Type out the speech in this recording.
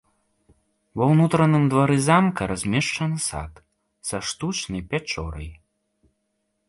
Ва ўнутраным двары замка размешчаны сад са штучнай пячорай.